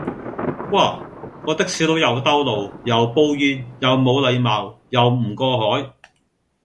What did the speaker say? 哇，個的士佬又兜路，又煲煙，又冇禮貌，又唔過海